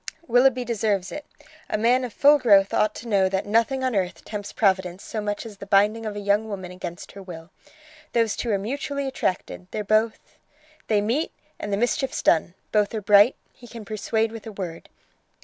"Willoughby deserves it. A man of full growth ought to know that nothing on earth tempts Providence so much as the binding of a young woman against her will. Those two are mutually attracted: they're both ... They meet, and the mischief's done: both are bright. He can persuade with a word.